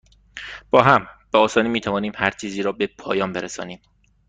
با هم، به آسانی می توانیم هرچیزی را به پایان برسانیم.